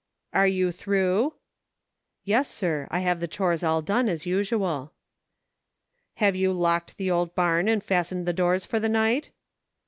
" Are you through }"" Yes, sir ; I have the chores all done, as usual." " Have you locked the old barn and fastened the bars for the night